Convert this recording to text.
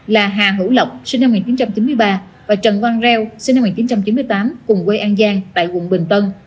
là hà hữu lộc sinh năm một nghìn chín trăm chín mươi ba và trần quang reo sinh năm một nghìn chín trăm chín mươi tám cùng quê an giang tại quận bình tân